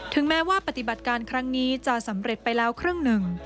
แม้ว่าปฏิบัติการครั้งนี้จะสำเร็จไปแล้วครึ่งหนึ่ง